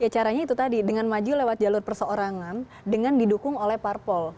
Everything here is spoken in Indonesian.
caranya itu tadi dengan maju lewat jalur perseorangan dengan didukung oleh parpol